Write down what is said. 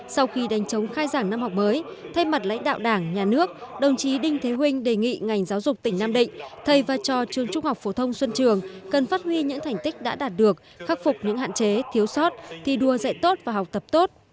sau khi đánh chống khai giảng năm học mới thay mặt lãnh đạo đảng nhà nước đồng chí đinh thế huynh đề nghị ngành giáo dục tỉnh nam định thầy và trò trường trung học phổ thông xuân trường cần phát huy những thành tích đã đạt được khắc phục những hạn chế thiếu sót thi đua dạy tốt và học tập tốt